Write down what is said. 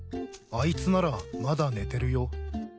あいつならまだ寝てるよ。